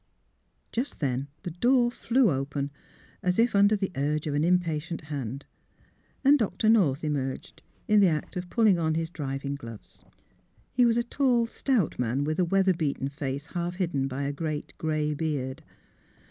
Just then the door flew open, as if under the urge of an impatient hand, and Dr. North MALVINA BENNETT, DRESSMAKER 77 emerged, in the act of pulling on his driving gloves. He was a tall stout man, with a weather beaten face half hidden by a great grey beard.